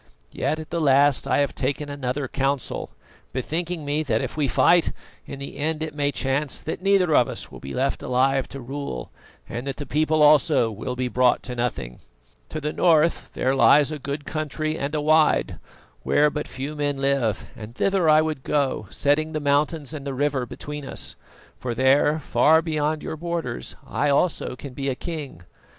Yet, at the last, I have taken another council, bethinking me that, if we fight, in the end it may chance that neither of us will be left alive to rule, and that the people also will be brought to nothing. To the north there lies a good country and a wide, where but few men live, and thither I would go, setting the mountains and the river between us; for there, far beyond your borders, I also can be a king.